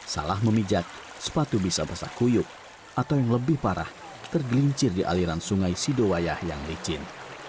salah memijak sepatu bisa basah kuyuk atau yang lebih parah tergelincir di aliran sungai sidowayah yang licin